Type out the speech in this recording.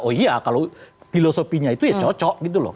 oh iya kalau filosofinya itu ya cocok gitu loh